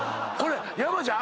山ちゃん